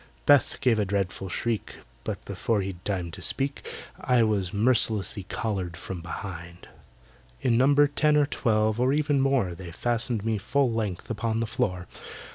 BETH gave a dreadful shriek— But before he'd time to speak I was mercilessly collared from behind. In number ten or twelve, or even more, They fastened me full length upon the floor.